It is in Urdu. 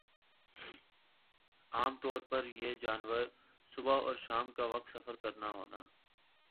عام طور پر یِہ جانور صبح اور شام کا وقت سفر کرنا ہونا